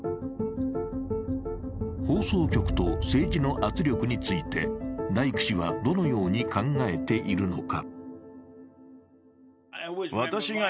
放送局と政治の圧力について、ダイク氏はどのように考えているのか。